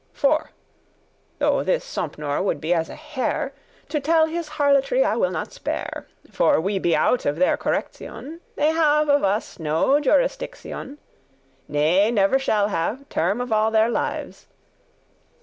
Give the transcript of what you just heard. For, — though this Sompnour wood* be as a hare, — *furious, mad To tell his harlotry I will not spare, For we be out of their correction, They have of us no jurisdiction, Ne never shall have, term of all their lives.